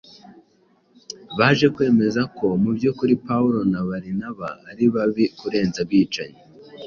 baje kwemezwa ko mu by’ukuri Pawulo na Barinaba ari babi kurenza abicanyi